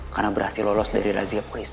karena berhasil lolos dari razia polisi